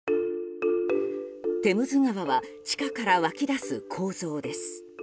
テムズ川は地下から湧き出す構造です。